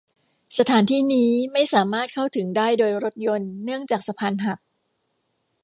สถานที่นี้ไม่สามารถเข้าถึงได้โดยรถยนต์เนื่องจากสะพานหัก